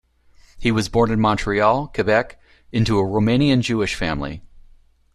He was born in Montreal, Quebec into a Romanian Jewish family.